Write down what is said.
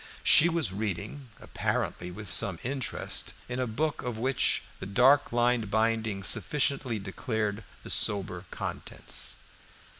She was reading, apparently with some interest, in a book of which the dark lined binding sufficiently declared the sober contents.